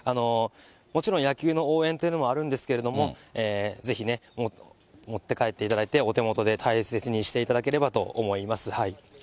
もちろん野球の応援というのもあるんですけれども、ぜひね、持って帰っていただいて、お手元で大切にしていただければと思います。